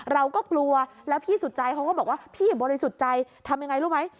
เราก็กลัวแล้วพี่สุดใจเขาก็บอกว่าพี่บริสุทธิ์ใจทำยังไงรู้ไหม